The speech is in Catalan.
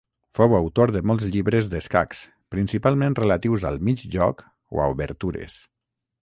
Fou autor de molts llibres d'escacs, principalment relatius al mig joc o a obertures.